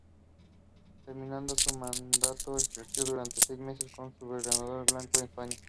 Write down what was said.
Terminado su mandato, ejerció durante seis meses como subgobernador del Banco de España.